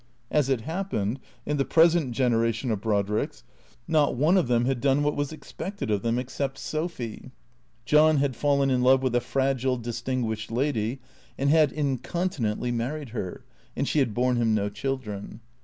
As it happened, in the present generation of Brod ricks, not one of them had done what was expected of them, except Sophy. John had fallen in love with a fragile, distin guished lady, and had incontinently married her; and she had borne him no children.